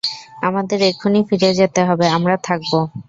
আমাদের এক্ষুনি ফিরে যেতে হবে আমরা থাকব।